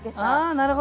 なるほど！